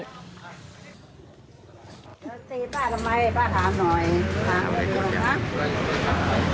เจอเจ๋ยีป้าทำไมป้าถามหน่อย